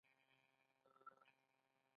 له ډله ییزو فتنو یې په امان کې ساتي.